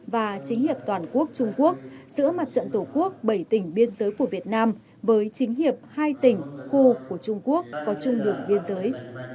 và chính hiệp toàn quốc trung quốc giữa mặt trận tổ quốc bảy tỉnh biên giới của việt nam với chính hiệp hai tỉnh khu của trung quốc có chung đường biên giới